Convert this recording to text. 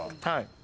はい。